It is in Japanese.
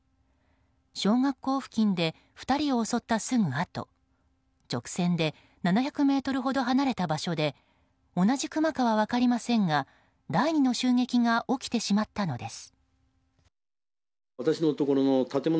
小学校付近で２人を襲ったすぐあと直線で７００ｍほど離れた場所で同じクマかは分かりませんが第２の襲撃が起きてしまったのです。